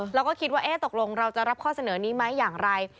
แล้วก็คิดว่าตกลงเราจะรับข้อเสนอนี้ไหมอย่างไร